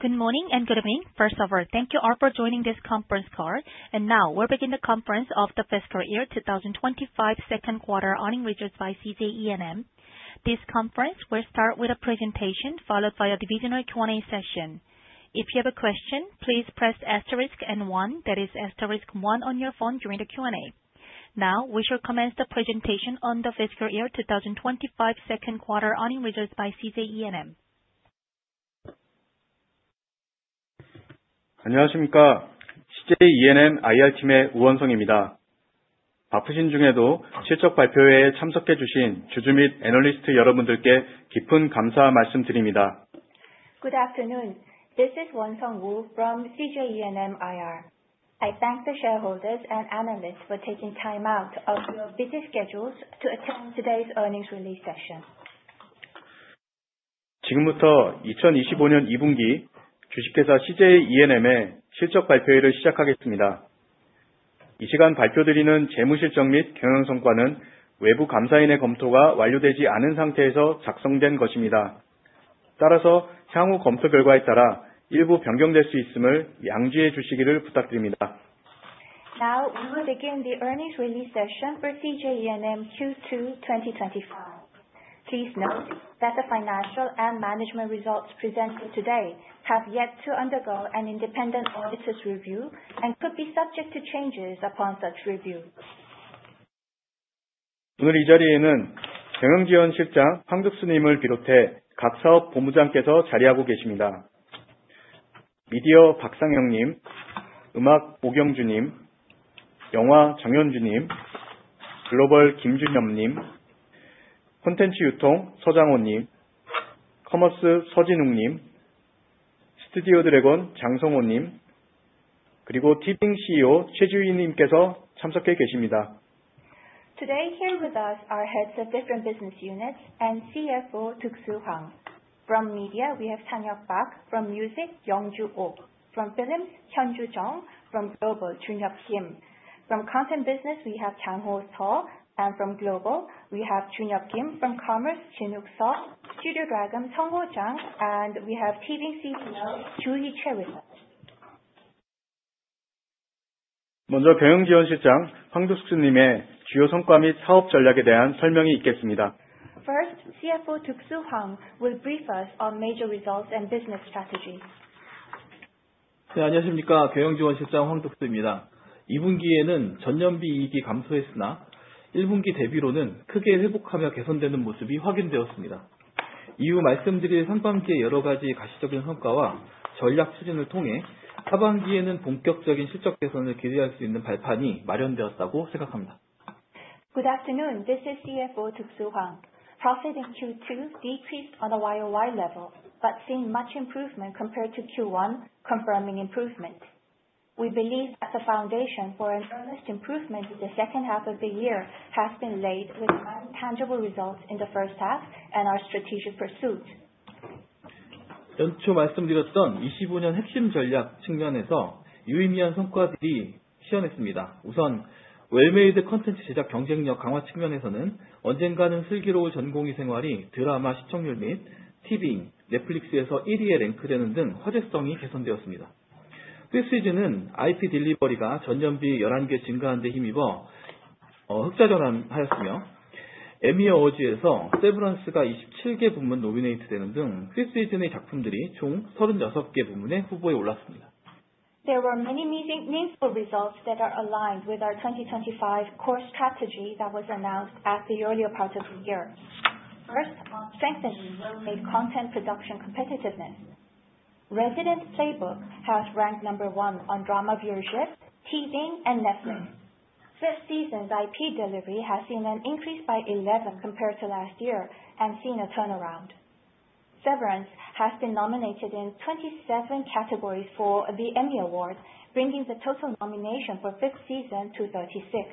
Good morning, and good evening. First of all, thank you all for joining this conference call. And now we'll begin the conference of the Fiscal Year twenty twenty five Second Quarter Earnings Results by C. J. E and M. This conference will start with a presentation followed by a divisional Q and A session. Now we shall commence the presentation on the fiscal year twenty twenty five second quarter earnings results by CZ E and M. Good afternoon. This is Wonsong Woo from CJ E and M IR. I thank the shareholders and analysts for taking time out of your busy schedules to attend today's earnings release session. Now we will begin the earnings release session for CJ E and M Q2 twenty twenty five. Please note that the financial and management results presented today have yet to undergo an independent auditor's review and could be subject to changes upon such review. Today, here with us are heads of different business units and CFO, Took Soo Hwang. From Media, we have Chan Hyuk Park from Music, Yong Ju Okay from Films, Kyunjoo Jeong from Global, Chunjoo Kim from Content Business, we have Changho Seoul and from Global, we have Chunjoo Kim from Commerce, Jinuk Seo Studio Dragon, Jeong Ho Jang and we have TV CPO, Joo Hee Chewi. First, CFO, Took Soo Hong, will brief us on major results and business strategy. Good afternoon. This is CFO, Took Soo Hwang. Profit in Q2 decreased on a Y o Y level, but seen much improvement compared to Q1, confirming improvement. We believe that the foundation for an earnest improvement in the second half of the year has been laid with our tangible results in the first half and our strategic pursuit. There were many meaningful results that are aligned with our 2025 core strategy that was announced at the earlier part of the year. First, while strengthening worldwide content production competitiveness, Resident Playbook has ranked number one on Drama Viewership, Teasing and Netflix. Fifth Season's IP delivery has seen an increase by 11 compared to last year and seen a turnaround. Severance has been nominated in 27 categories for the Emmy Award, bringing the total nomination for fifth season to 36.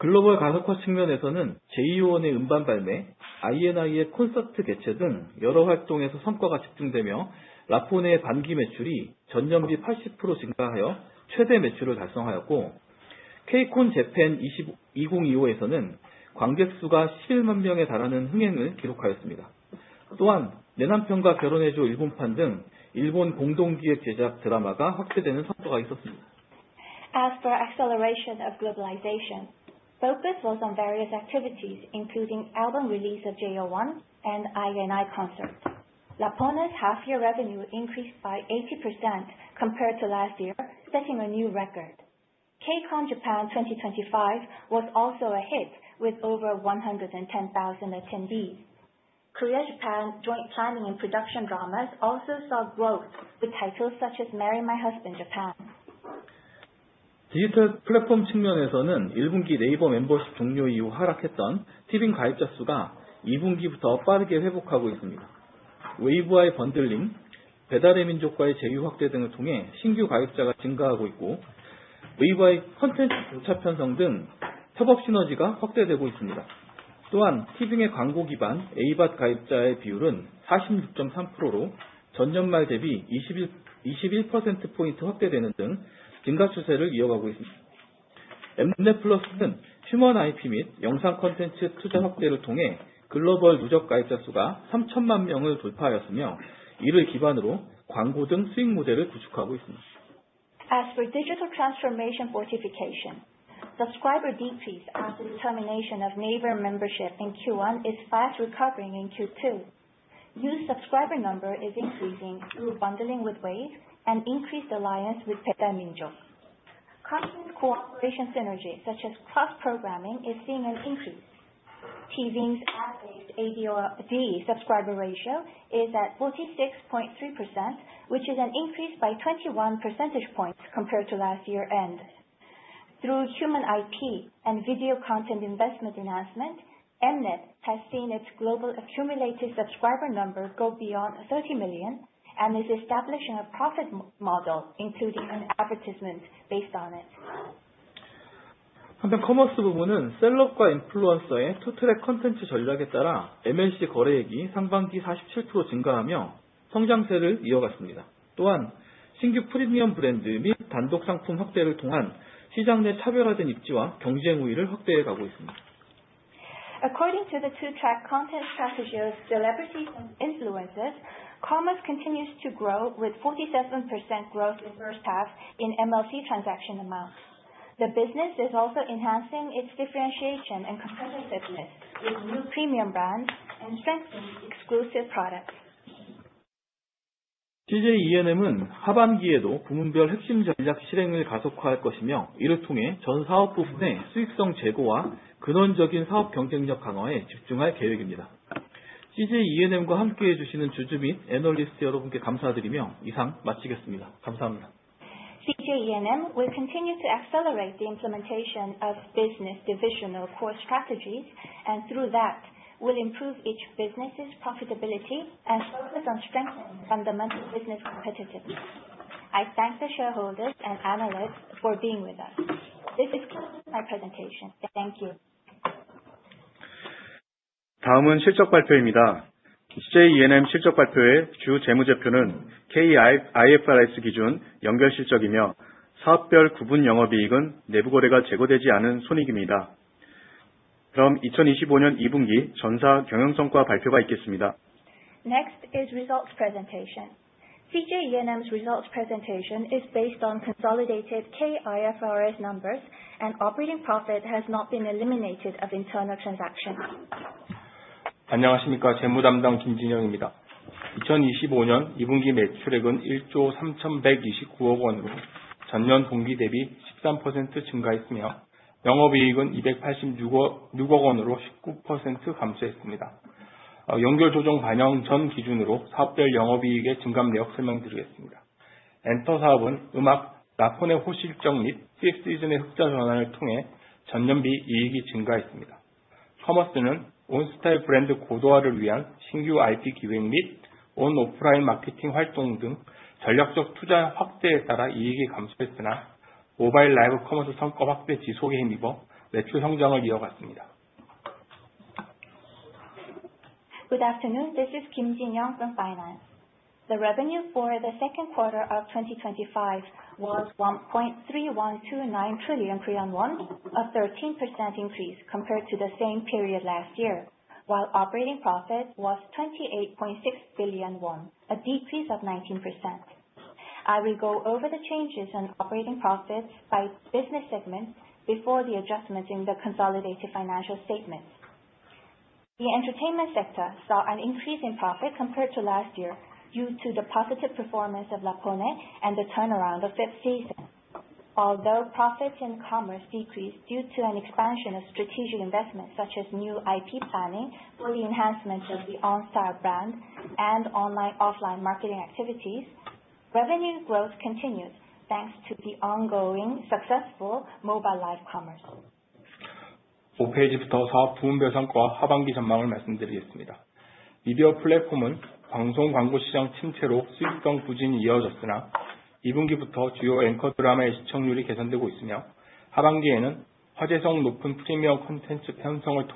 As for acceleration of globalization, focus was on various activities including album release of JL1 and IANI concert. Lapona's half year revenue increased by 80% compared to last year, setting a new record. KCON Japan twenty twenty five was also a hit with over 110,000 attendees. Korea Japan joint planning and production dramas also saw growth with titles such as Marry My Husband Japan. As for digital transformation fortification, subscriber decreased after the termination of Naver membership in Q1 is fast recovering in Q2. New subscriber number is increasing through bundling with Waze and increased alliance with Petain Minjo. Content cooperation synergies such as cross programming is seeing an increase. TV's ad based ADD subscriber ratio is at 46.3, which is an increase by 21 percentage points compared to last year end. Through human IP and video content investment enhancement, Mnet has seen its global accumulated subscriber number go beyond 30,000,000 and is establishing a profit model including an advertisement based on it. According to the two track content strategy of celebrities and influencers, commerce continues to grow with 47% growth in first half in MLC transaction amounts. The business is also enhancing its differentiation and competitiveness with new premium brands and strengthening exclusive products. CJ E and M will continue to accelerate the implementation of business divisional core strategies and through that will improve each business' profitability and focus on strengthening fundamental business competitiveness. I thank the shareholders and analysts for being with us. This concludes my presentation. Thank you. Next is results presentation. CJ E and M's results presentation is based on consolidated K IFRS numbers and operating profit has not been eliminated of internal transaction. Good afternoon. This is Kim Jin Young from Finance. The revenue for the 2025 was trillion, a 13% increase compared to the same period last year, while operating profit was 28,600,000,000.0 won, a decrease of 19%. I will go over the changes in operating profits by business segments before the adjustments in the consolidated financial statements. The entertainment sector saw an increase in profit compared to last year due to the positive performance of La Pony and the turnaround of fifth season. Although profits in commerce decreased due to an expansion of strategic investments such as new IP planning for the enhancements of the OnStar brand and onlineoffline marketing activities, revenue growth continued, thanks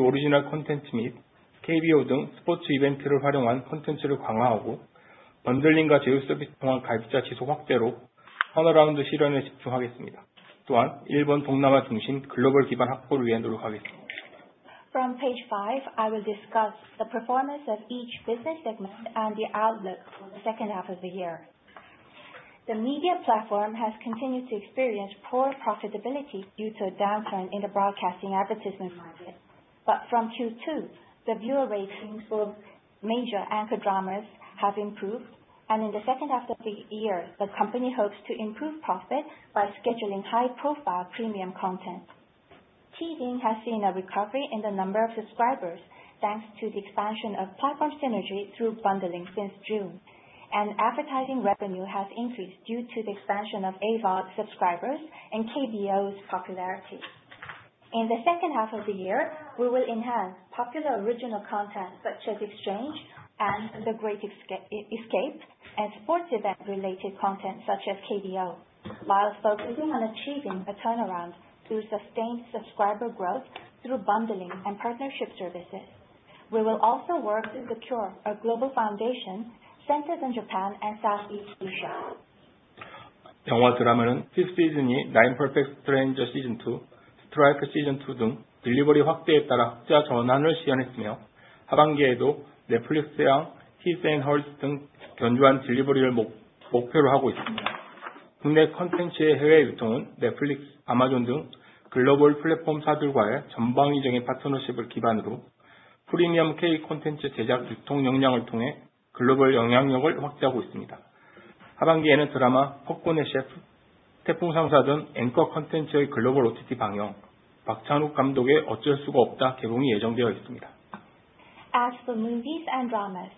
to the ongoing successful mobile live commerce. From Page five, I will discuss the performance of each business segment and the outlook for the second half of the year. The media platform has continued to experience poor profitability due to a downturn in the broadcasting advertisement market. But from Q2, the viewer ratings for major anchor dramas have improved. And in the second half of the year, the company hopes to improve profit by scheduling high profile premium content. Teasing has seen a recovery in the number of subscribers, thanks to the expansion of platform synergy through bundling since June and advertising revenue has increased due to the expansion of AVOD subscribers and KBOs popularity. In the second half of the year, we will enhance popular original content such as Exchange and The Great Escape and sports event related content such as KBO, while focusing on achieving a turnaround through sustained subscriber growth through bundling and partnership services. We will also work to secure a global foundation centered in Japan and Southeast Asia. As for movies and dramas,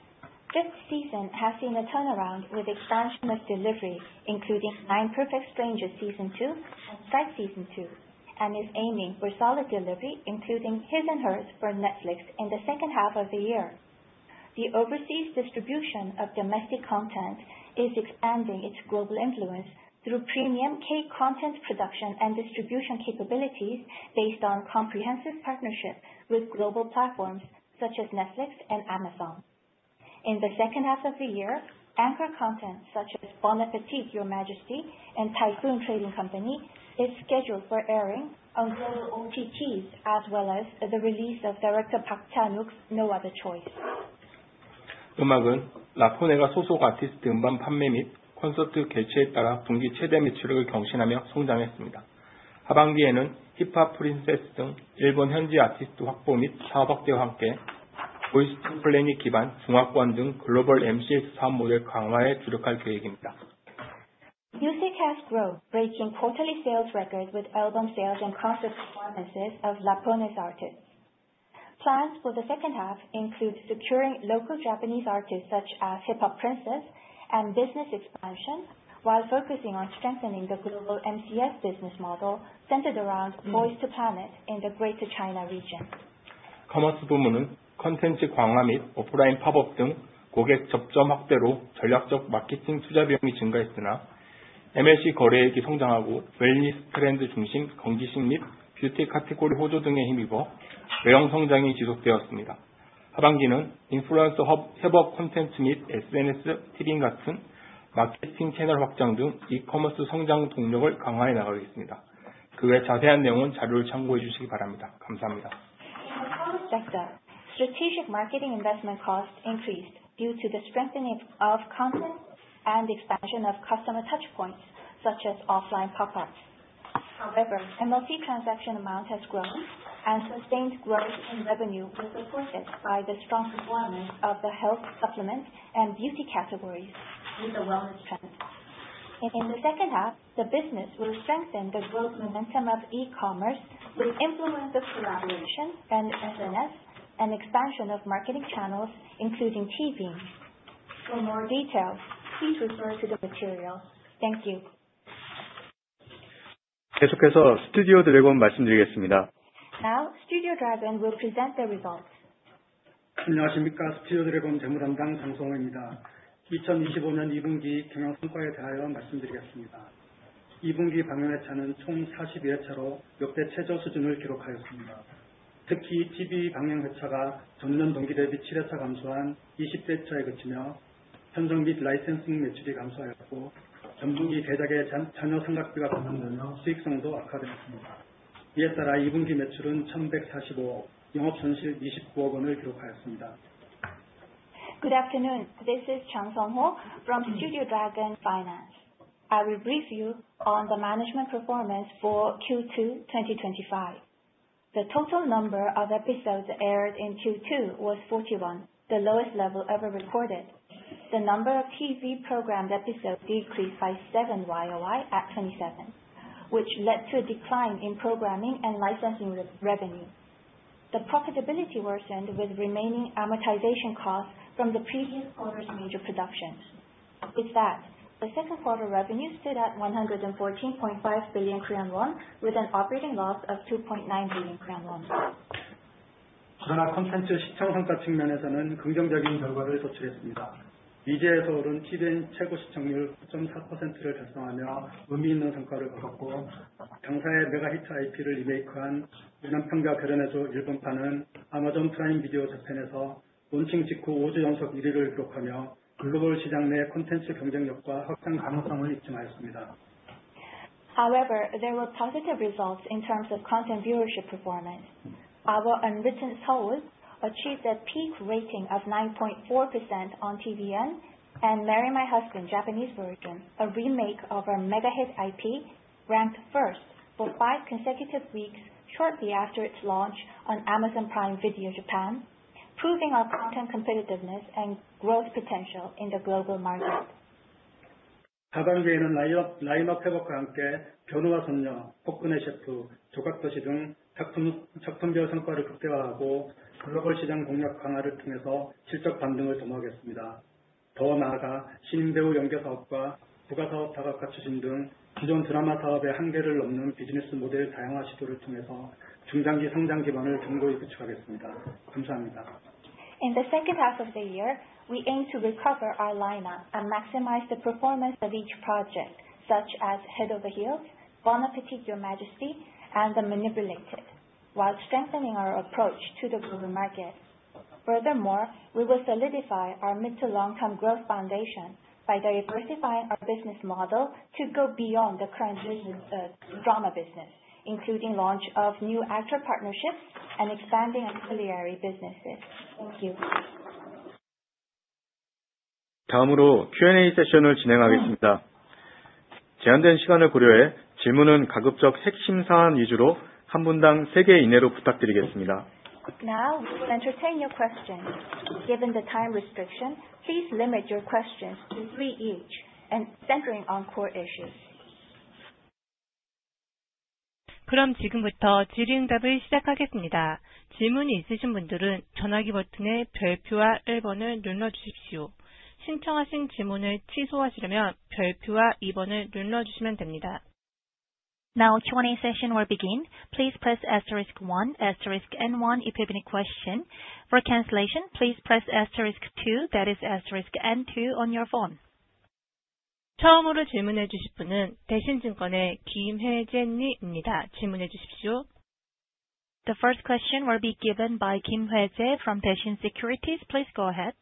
fifth season has seen a turnaround with expansion of delivery including Nine Perfect Strangers Season two and Fight Season two and is aiming for solid delivery including His and Hers for Netflix in the second half of the year. The overseas distribution of domestic content is expanding its global influence through premium cake content production and distribution capabilities based on comprehensive partnership with global platforms such as Netflix and Amazon. In the second half of the year, anchor content such as Bon Appetit, Your Majesty and Typhoon Trading Company is scheduled for airing on global OTTs as well as the release of Director Park Chanuk's No Other Choice. Music has grown breaking quarterly sales record with album sales and concerts performances of Lapones artists. Plans for the second half include securing local Japanese artists such as Hip Hop Princess and business expansion, while focusing on strengthening the global MCS business model centered around Moist to Planet in the Greater China region. The product sector, strategic marketing investment costs increased due to the strengthening of content and expansion of customer touch points such as offline pop ups. However, MLP transaction amount has grown and sustained growth in revenue was supported by the strong performance of the health supplements and beauty categories with the wellness trend. In the second half, the business will strengthen the growth momentum of e commerce with implemented collaboration and SNS and expansion of marketing channels, including TV. For more details, please refer to the material. Thank you. Now Studio Dragon will present the results. Good afternoon. This is Chang Song Ho from Studio Dragon Finance. I will brief you on the management performance for Q2 twenty twenty five. The total number of episodes aired in Q2 was 41, the lowest level ever recorded. The number of TV programmed episodes decreased by seven Y o Y at 27, which led to a decline in programming and licensing revenue. The profitability worsened with remaining amortization costs from the previous quarter's major productions. With that, the second quarter revenue stood at billion with an operating loss of 2.9 billion. However, there were positive results in terms of content viewership performance. Our unwritten sold achieved a peak rating of 9.4% on TVN and Marry My Husband Japanese version, a remake of our Mega Hit IP, ramped first for five consecutive weeks shortly after its launch on Amazon Prime Video Japan, proving our content competitiveness and growth potential in the global market. In the second half of the year, we aim to recover our lineup and maximize the performance of each project such as Head over Hills, Bon Appetit Your Majesty and The Manipulated, while strengthening our approach to the global market. Furthermore, we will solidify our mid to long term growth foundation by diversifying our business model to go beyond the current drama business, including launch of new actor partnerships and expanding ancillary businesses. Thank you. Now we will entertain your questions. Given the time restriction, please limit your questions to three each and centering on core issues. The first question will be given by Kim Hwae jae from Patient Securities. Please go ahead.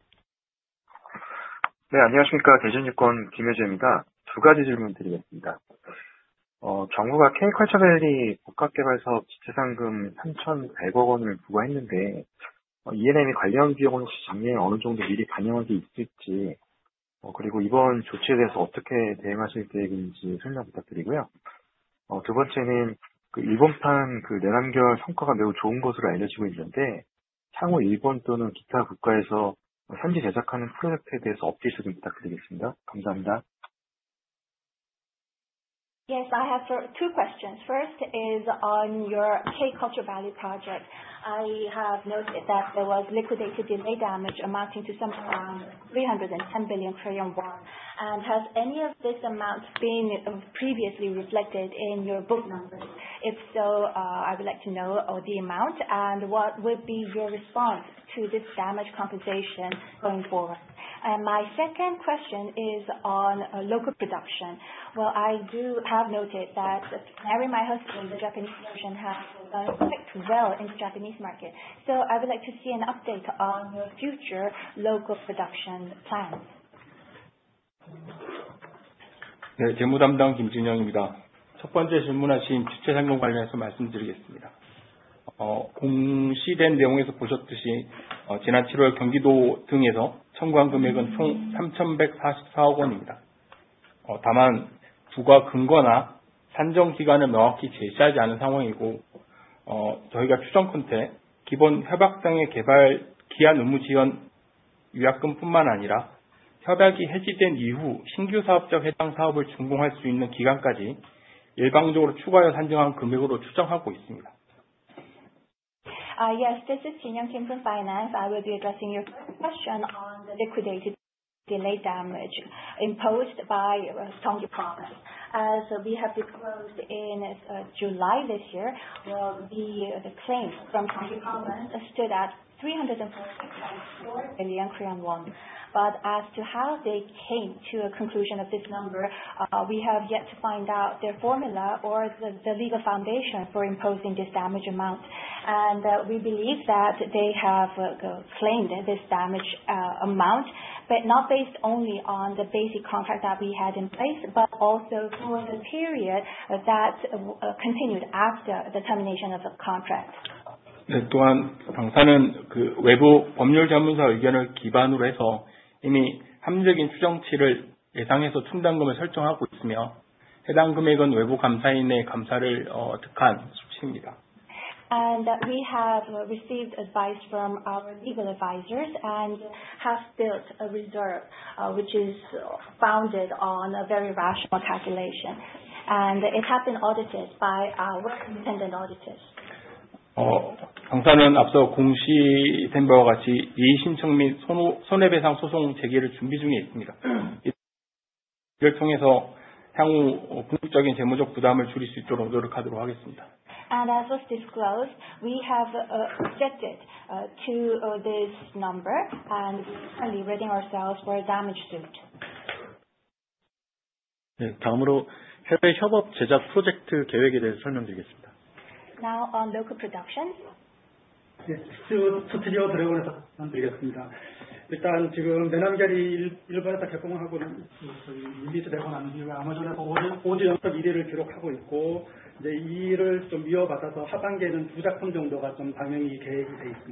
Yes, I have two questions. First is on your K Culture Value project. I have noted that there was liquidated delay damage amounting to something around billion. And has any of this amount been previously reflected in your book numbers? If so, I would like to know the amount and what would be your response to this damage compensation going forward? And my second question is on local production. Well, I do have noted that, marry my husband, the Japanese version has done quite well in the Japanese market. So I would like to see an update on your future local production plans. Yes. This is Jin Young Kim from Finance. I will be addressing your first question on the liquidated delayed damage imposed by Tongji province. So we have disclosed in July, the claim from Tongji province stood at billion. But as to how they came to a conclusion of this number, we have yet to find out their formula or the legal foundation for imposing this damage amount. And we believe that they have claimed this damage amount, but not based only on the basic contract that we had in place, but also for the period that continued after the termination of the contract. And we have received advice from our legal advisors and have built a reserve, which is founded on a very rational calculation. And it has been audited by independent auditors. And as was disclosed, we have shifted to this number and we're currently reading ourselves for a damage suit.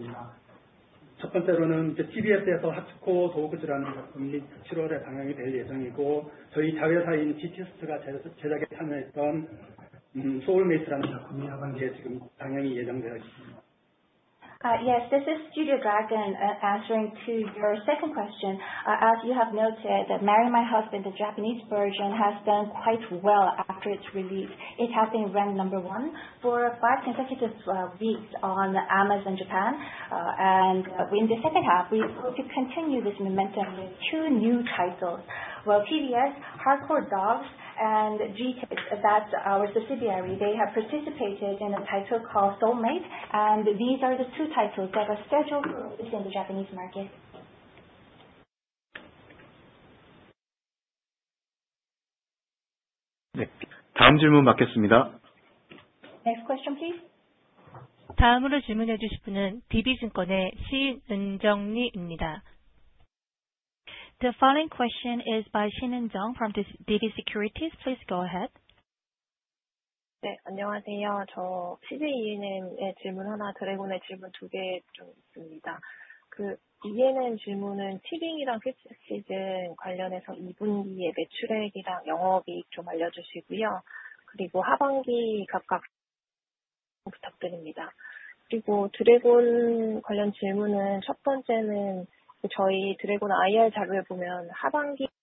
Now on local production. Yes. This is Studio Dragon answering to your second question. As you have noted, Marry My Husband, the Japanese version has done quite well after its release. It has been ranked number one for five consecutive weeks on Amazon Japan. And in the second half, we hope to continue this momentum with two new titles. Well, TBS, Hardcore Dogs and G Tips that's our subsidiary, they have participated in a title called Soulmate and these are the two titles that are scheduled in the Japanese market. The following question is by Shin Heng Zhong from DB Securities.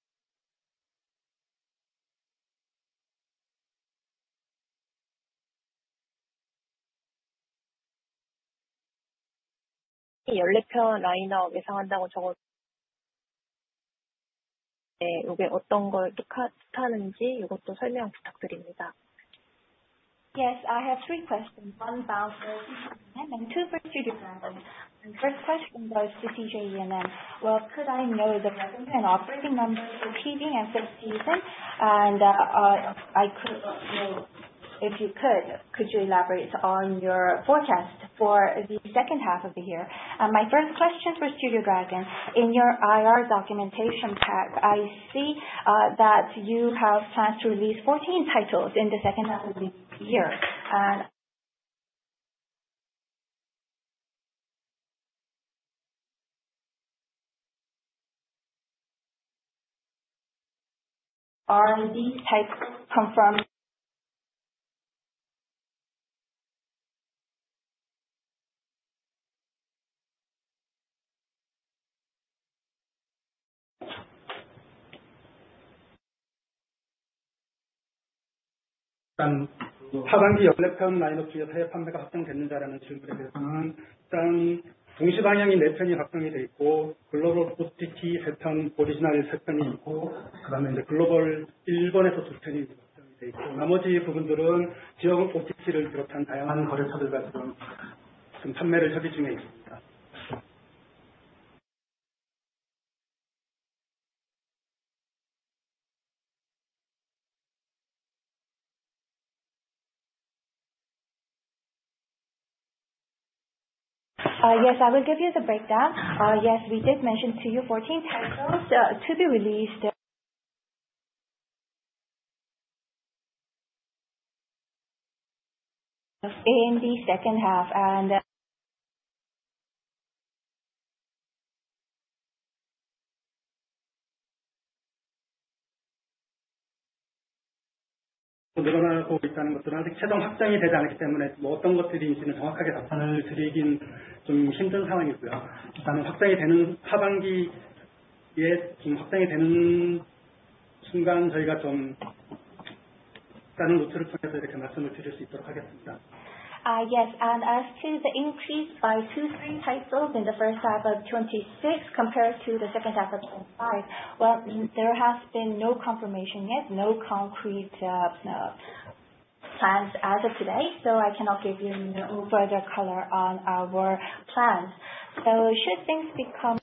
Yes. I have three questions, one for C. And M and two for C. J. M. Well, could I know the revenue and operating numbers repeating as of season? And I could if you could, could you elaborate on your forecast for the second half of the year? My first question for Studio Dragon, in your IR documentation pack, I see that you have plans to release 14 titles in the second half of the year. Yes, will give you the breakdown. Yes, we did mention to you 14 titles to be released Yes. And as to the increase by two, three titles in the '26 compared to the 2025, well, there has been no confirmation yet, no concrete plans as of today. So I cannot give you further color on our plans. So should things become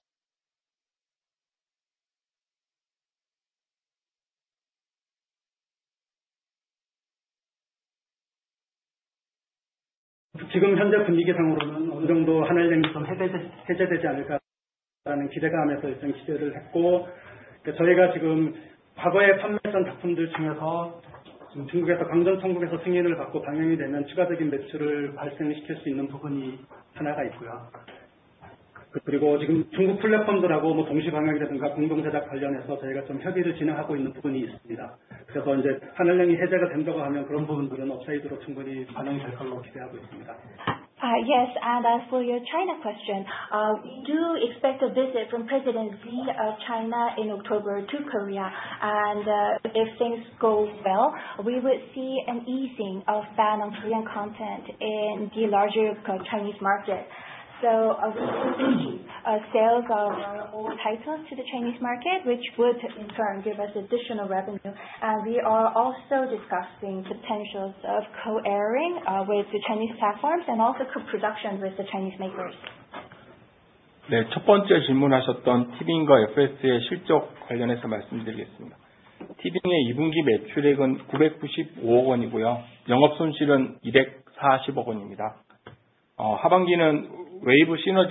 Yes. And as for your China question, we do expect a visit from President Xi of China in October to Korea. And if things go well, we would see an easing of ban on Korean content in the larger Chinese market. So, Fuji, sales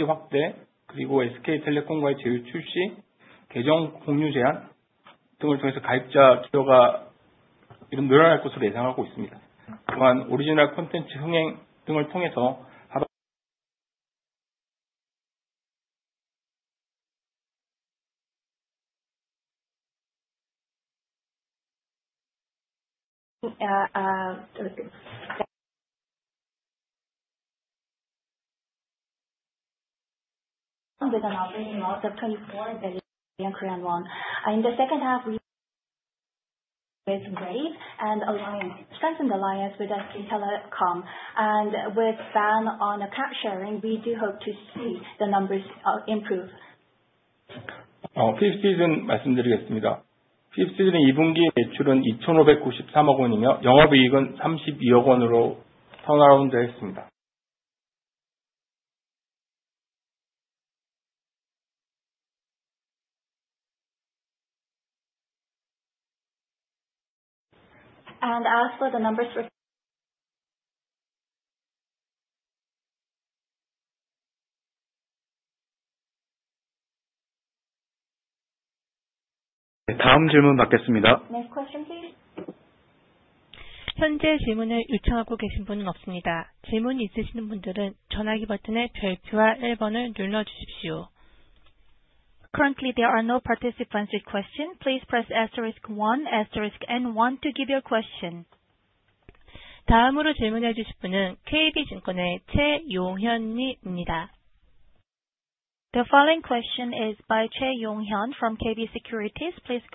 of our old titles to the Chinese market, which would in turn give us additional revenue. And we are also discussing potentials of co airing with the Chinese platforms and also co production with the Chinese makers. In the second half, we strengthened alliance with SK Telecom. And with BAM on a cap sharing, we do hope to see the numbers improve. As for the numbers Currently, there are no participants with questions. The following question is by Chae Yong Hyun from KB Securities.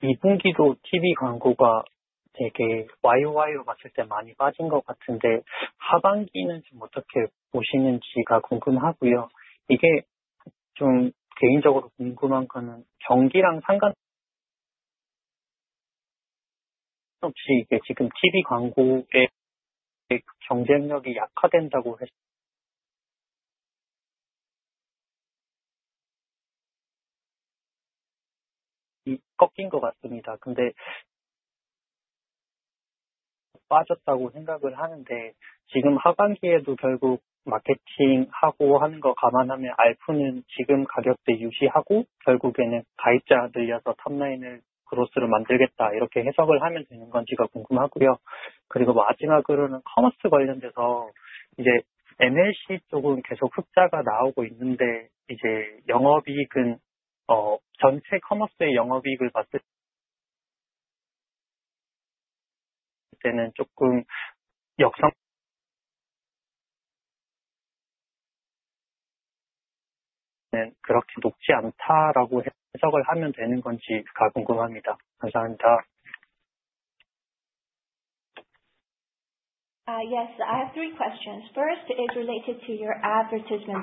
Yes. I have three questions. First is related to your advertisement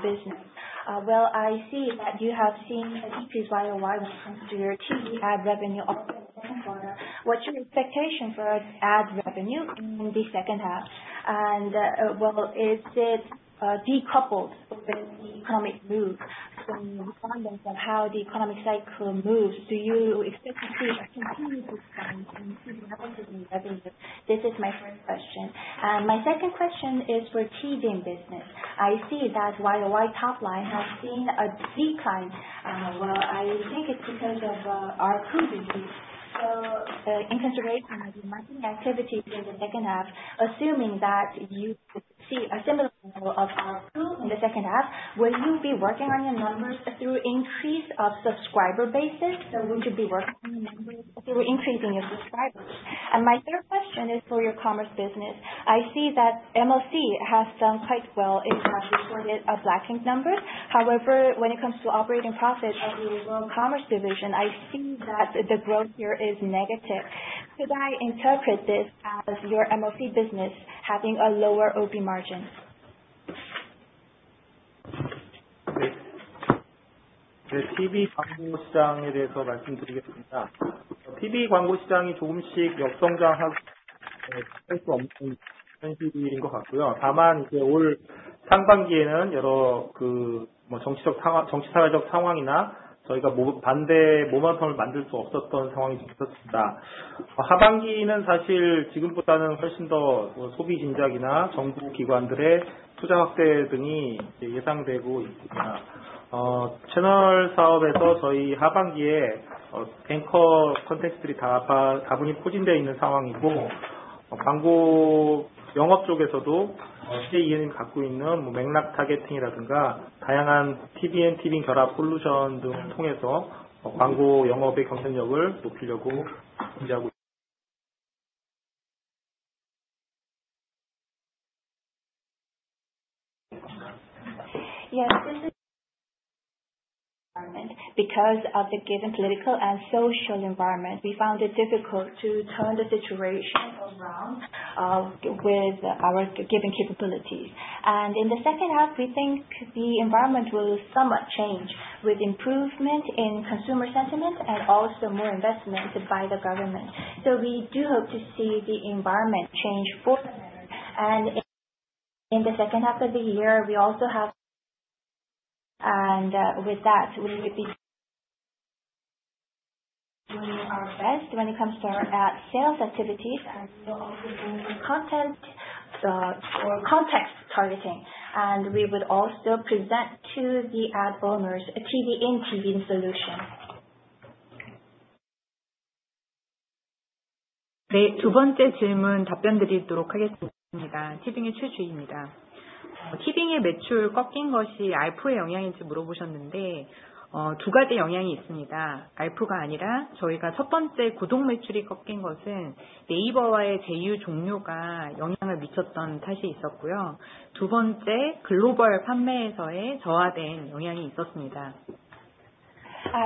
business. Well, I see that you have seen a decrease Y o Y when it comes to your TV ad revenue. What's your expectation for ad revenue in the second half? And well, is it decoupled with the economic move? So, on how the economic cycle moves, do you expect to see a continued expense in revenue? This is my first question. And my second question is for TV business. I see that Y o Y top line has seen a decline. Well, I think it's because of ARPU business. So in consideration of the marketing activity in the second half, assuming that you see a similar level of ARPU in the second half, will you be working on your numbers through increase of subscriber basis? So we should be working increasing your subscribers? And my third question is for your commerce business. I see that MLC has done quite well in terms of reported a flat ink number. However, when it comes to operating profit of the overall commerce division, I see that the growth here is negative. Could I interpret this as your MLP business having a lower OP margin? Yes. This is because of the given political and social environment, we found it difficult to turn the situation around with our given capabilities. And in the second half, we think the environment will somewhat change with improvement in consumer sentiment and also more investment by the government. So we do hope to see the environment change for them. And in the second half of the year we also have and with that we will be doing our best when it comes to our sales activities and content or context targeting and we would also present to the ad owners a TV in TV solution.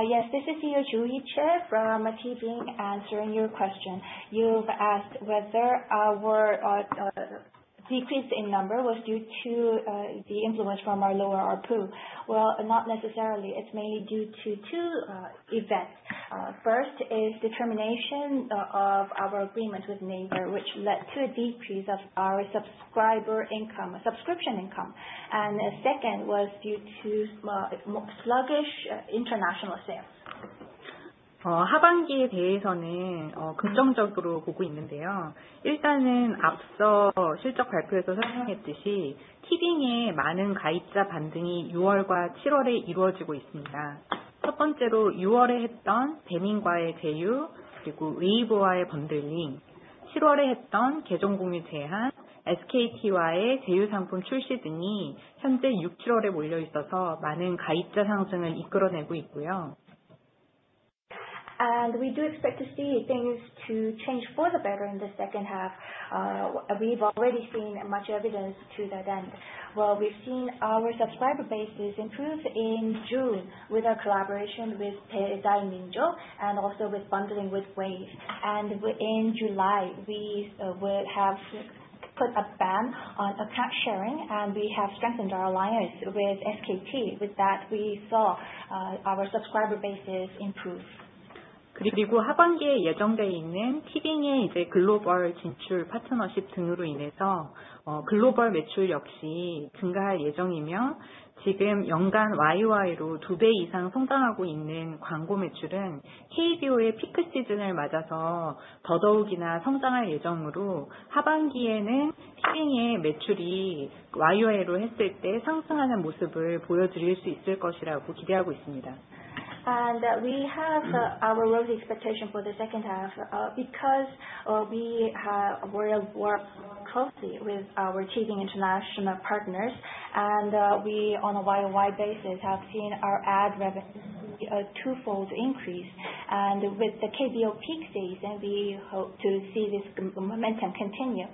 Yes. This is Yoshui Choi from T. Bing answering your question. You've asked whether our decrease in number was due to the influence from our lower ARPU. Well, not necessarily. It's mainly due to two events. First is the termination of our agreement with Nabir, which led to a decrease of our subscriber income subscription income. And second was due to sluggish international sales. And we do expect to see things to change for the better in the second half. We've already seen much evidence to that end. Well, we've seen our subscriber bases improve in June with our collaboration with and also with bundling with Waze. And in July, we will have put a ban on account sharing and we have strengthened our alliance with SKT. With that, we saw our subscriber basis improve. And we have our growth expectation for the second half because we worked closely with our achieving international partners and we on a Y o Y basis have seen our ad revenue a twofold increase. And with the KBO peak season, we hope to see this momentum continue.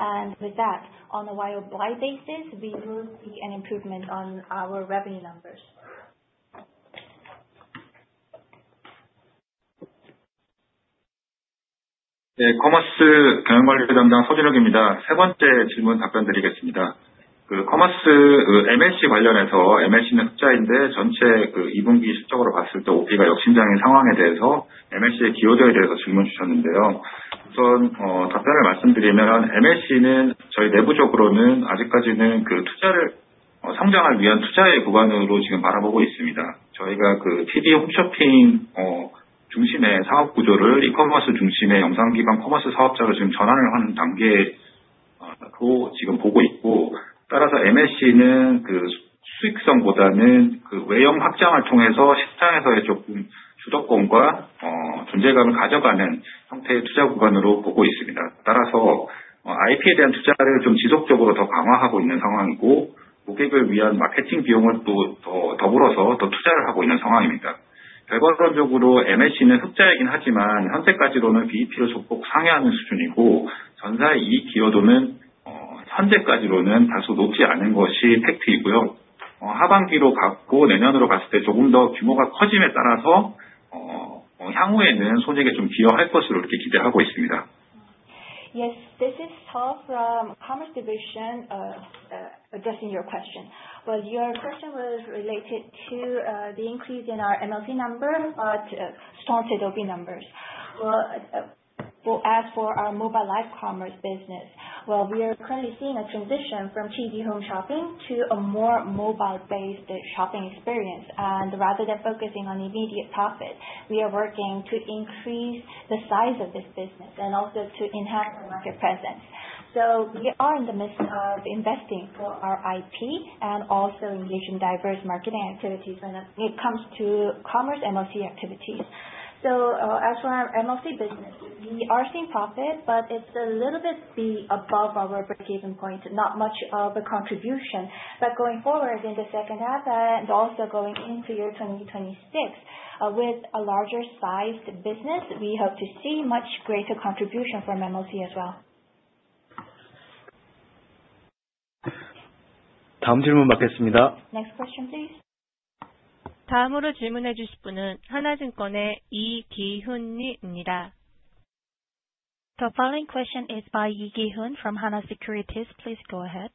And with that, on a Y o Y basis, we will see an improvement on our revenue numbers. Yes. This is Tao from Commerce division addressing your question. Well, your question was related to the increase in our MLT number, but strong Sidoti numbers. Well, as for our mobile live commerce business, well, we are currently seeing a transition from TV home shopping to a more mobile based shopping experience. And rather than focusing on immediate profit, we are working to increase the size of this business and also to enhance our market presence. So we are in the midst of investing for our IP and also engaging diverse marketing activities when it comes to commerce and MOC activities. So as for our MOC business, are seeing profit, but it's a little bit above our breakeven point, not much of a contribution. But going forward in the second half and also going into year 2026 with a larger sized business, we hope to see much greater contribution from MOC as well. Next question please. The following question is by Yi Gi hun from Hana Securities. Please go ahead.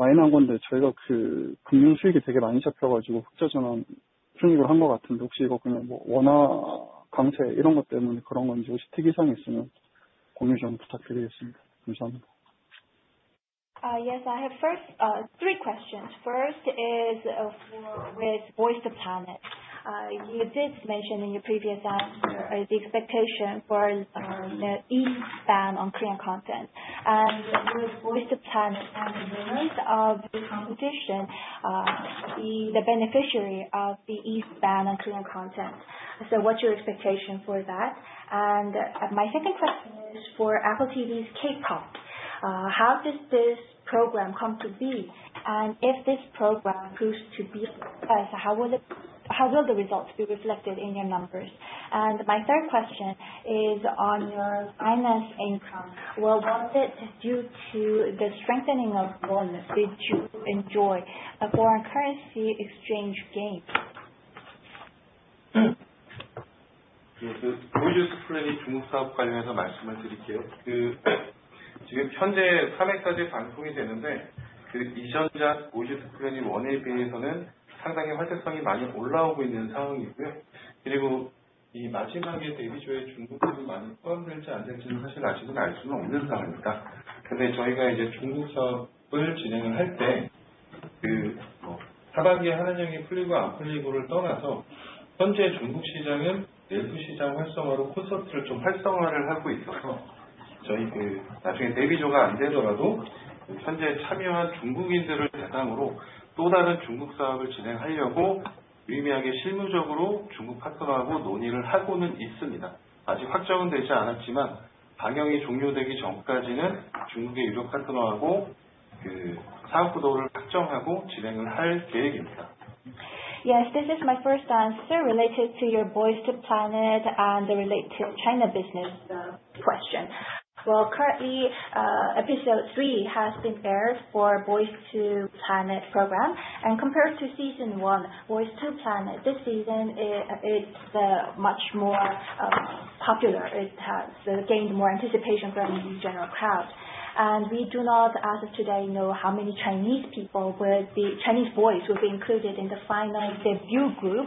Yes, I have first three questions. First is with Voice of Planet. You did mention in your previous answer the expectation for e spend on Korean content. And will voice the plan and the rumors of the competition be the beneficiary of the eSpan on Korean content? So what's your expectation for that? And my second question is for Apple TV's K Pop. How does this program come to be? And if this program proves to be how will the results be reflected in your numbers? And my third question is on your finance income. Well, was it due to the strengthening of loan did you enjoy a foreign currency exchange gain? Yes, this is my first answer related to your Boys to Planet and the relate to China business question. Well, currently, Episode three has been aired for Boys two Planet program. And compared to Season one, Boys two Planet, this season is much more popular. It has gained more anticipation from the general crowd. And we do not as of today know how many Chinese people with the Chinese voice will be included in the final debut group.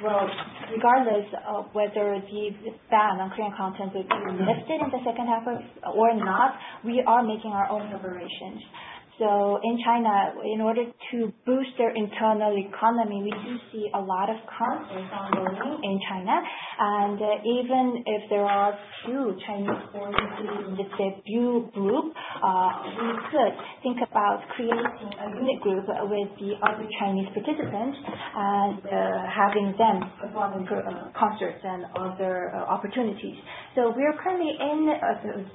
But regardless of whether the ban on Korean content would be lifted in the second half or not, we are making our own operations. So in China, in order to boost their internal economy, we do see a lot of concerts ongoing in China. And even if there are few Chinese board members in the debut group, we could think about creating a unit group with the other Chinese participants and having them for concerts and other opportunities. So we are currently in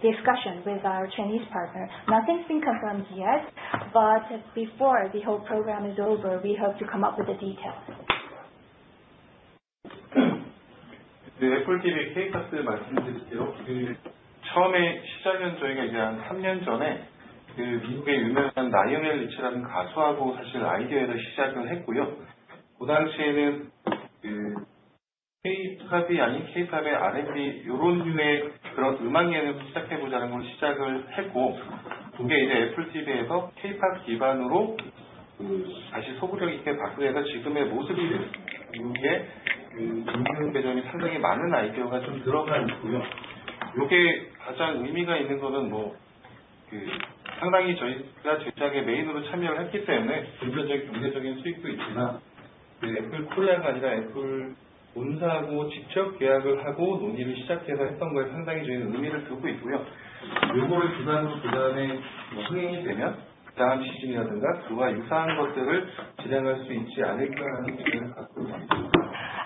discussion with our Chinese partner. Nothing has been confirmed yet, but before the whole program is over, we have to come up with the details.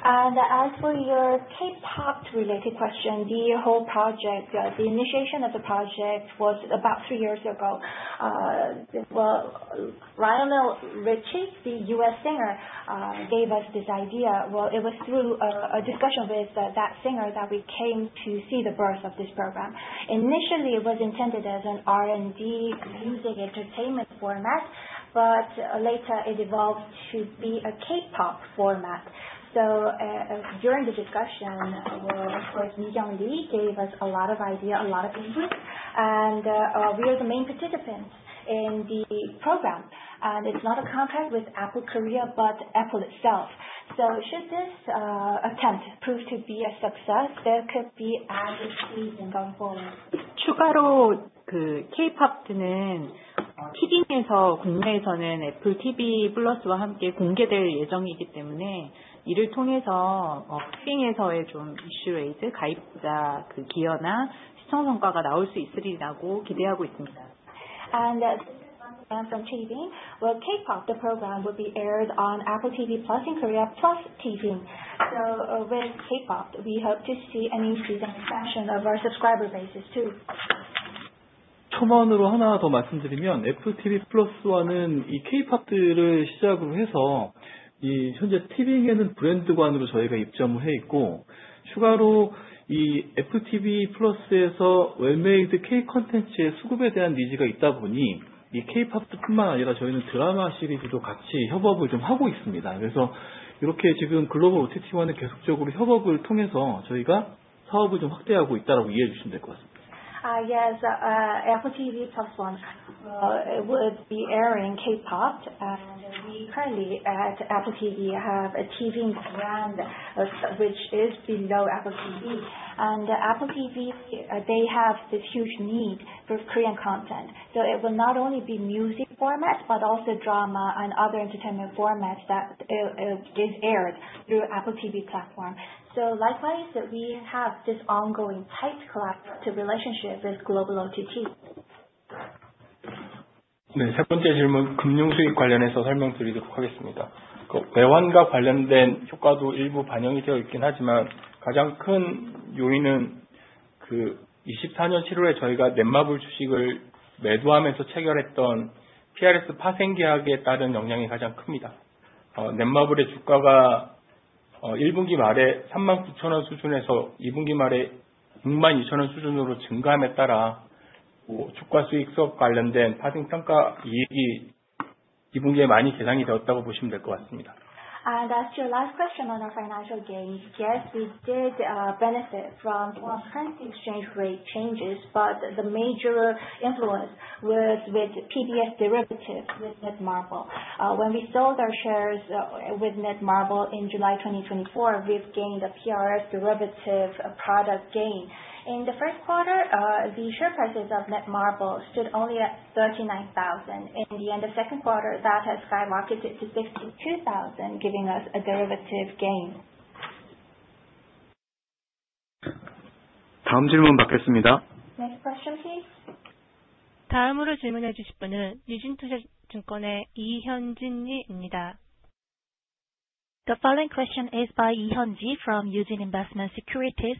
And as for your K Pop related question, the whole project, the initiation of the project was about three years ago. Lionel Richie, the U. S. Singer gave us this idea. Well, it was through a discussion with that singer that we came to see the birth of this program. Initially, it was intended as an R and D music entertainment format, but later it evolved to be a K pop format. So during the discussion, course, Young Lee gave us a lot of idea, a lot of input and we are the main participants in the program. And it's not a contract with Apple Korea, but Apple itself. So should this attempt prove to be a success, there could be an increase in going forward. And this is Wang Yuan from TV. Well, K Pop, the program will be aired on Apple TV plus in Korea plus TV. So with K Pop, we hope to see an increase in expansion of our subscriber bases too. Yes, Apple TV plus one would be airing K Pop and we currently at Apple TV have a TV brand which is below Apple TV. And Apple TV, they have this huge need for Korean content. So it will not only be music format, but also drama and other entertainment formats that is aired through Apple TV platform. So likewise, we have this ongoing tight collaborative relationship with global OTT. And as to your last question on our financial gains, yes, we did benefit from foreign exchange rate changes, but the major influence was with PBS derivatives with Netmarble. When we sold our shares with Netmarble in July 2024, we've gained a PRS derivative product gain. In the first quarter, the share prices of Netmarble stood only at 39000. In the end of second quarter, that has skyrocketed to RMB52000 giving us a derivative gain. Next question, please. The following question is by Yi Hyun ji from UZ Investment Securities.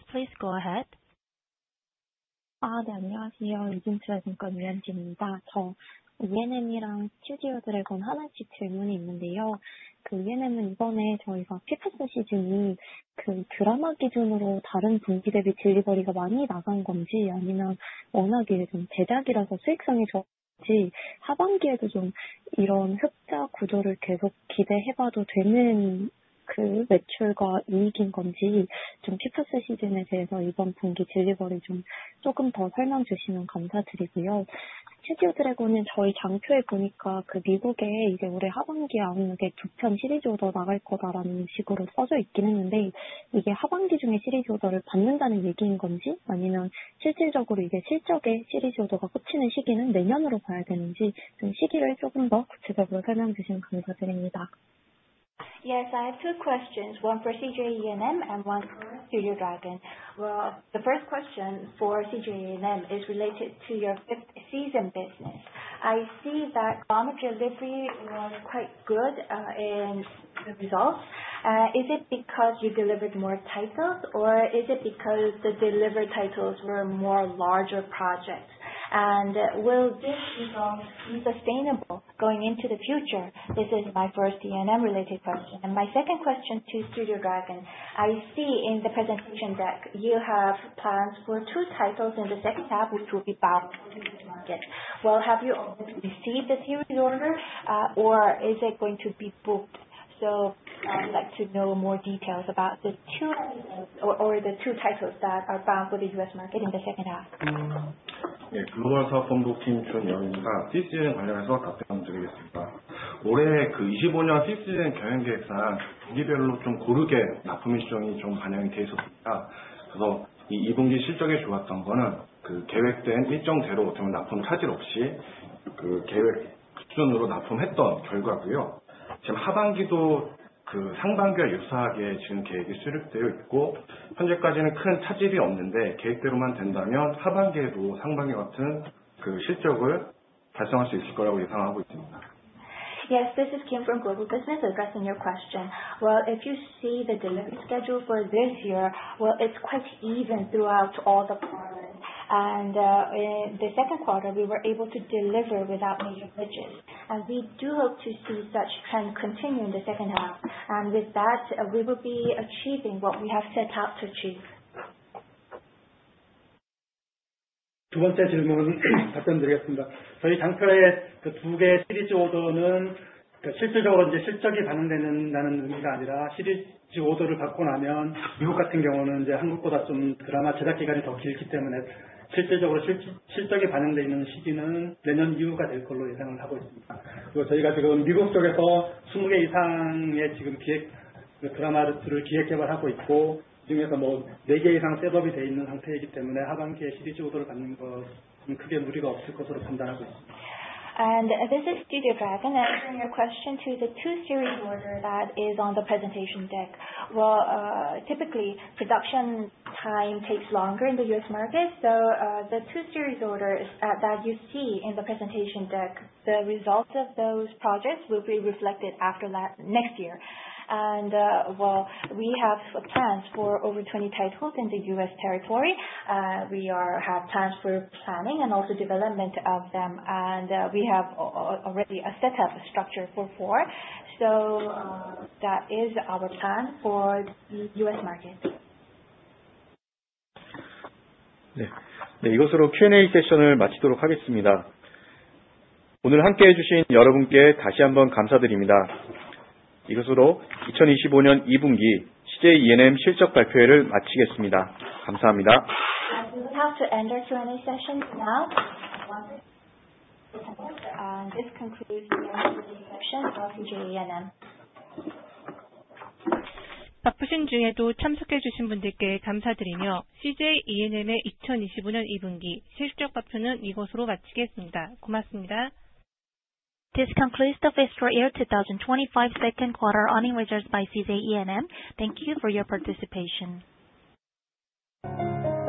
Yes. I have two questions, one for CJ E and M and one for Studio Dragon! Well, the first question for CJ E and M is related to your Fifth Season business. I see that drama delivery was quite good in the results. Is it because you delivered more titles or is it because the delivered titles were more larger projects? And will this result be sustainable going into the future? This is my first E and M related question. And my second question to Studio Dragon. I see in the presentation deck, you have plans for two titles in the second half, which will be balanced in the market. Well, have you already received the series order? Or is it going to be booked? So I'd like to know more details about the two titles that are found for The U. S. Market in the second half. Yes. This is Kim from Global Business addressing your question. Well, if you see the delivery schedule for this year, well, it's quite even throughout all the quarters. And in the second quarter, we were able to deliver without major budget. And we do hope to see such trends continue in the second half. And with that, we will be achieving what we have set out to achieve. And this is Judy Frag. And answering your question to the two series order that is on the presentation deck. Well, typically production time takes longer in The U. S. Market. So the two series orders that you see in the presentation deck, the results of those projects will be reflected after next year. And well, we have plans for over 20 titles in The U. S. Territory, we are have plans for planning and also development of them and we have already a set up structure for four. So that is our plan for The U. S. Market. We will have to end our Q and A session now. This concludes the Q A session of PJ E and M. This concludes the fiscal year twenty twenty five second quarter earnings results by CZ E and M. Thank you for your participation.